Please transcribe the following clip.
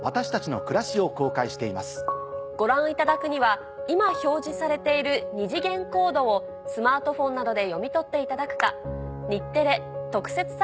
ご覧いただくには今表示されている二次元コードをスマートフォンなどで読み取っていただくか。